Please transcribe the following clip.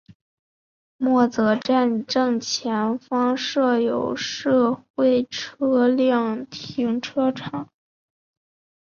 默泽站正前方设有社会车辆停车场。